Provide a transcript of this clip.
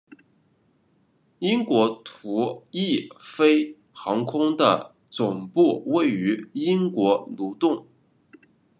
英国途易飞航空的总部位于英国卢顿。